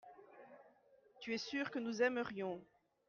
tu es sûr que nous aimerions.